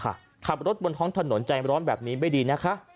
กลางดีค่ะขับรถบนท้องถนนใจร้อนแบบนี้ไม่ดีนะคะ